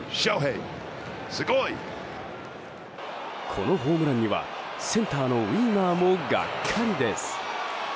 このホームランにはセンターのウィーマーもがっかりです。